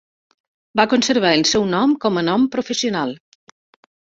Va conservar el seu nom com a nom professional.